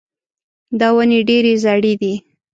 دا ونې ډېرې زاړې دي.